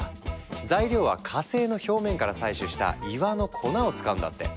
材料は火星の表面から採取した岩の粉を使うんだって！